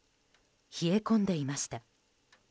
冷え込んでいました。